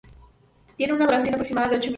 Tiene una duración aproximada de ocho minutos.